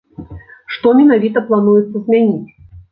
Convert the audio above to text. Што менавіта плануецца змяніць?